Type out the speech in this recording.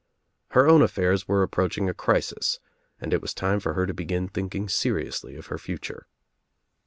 Her own affairs were approaching a crisis and it was time for her to begin thinking seriously of her future.